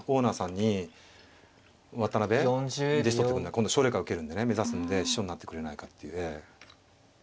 今度奨励会受けるんでね目指すんで師匠になってくれないか」っていうええ。